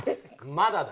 まだだ。